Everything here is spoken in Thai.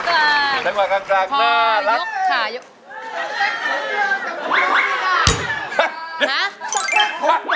เดี๋ยวคุณทุกคนเข้ามาดูอีกเลยนะครับ